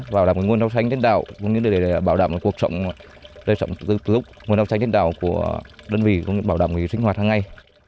bảo đảm nguồn rau xanh trên đảo bảo đảm nguồn rau xanh trên đảo của đơn vị bảo đảm người sinh hoạt hàng ngày